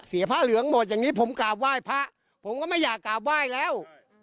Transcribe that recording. พระเหลืองหมดอย่างนี้ผมกราบไหว้พระผมก็ไม่อยากกราบไหว้แล้ว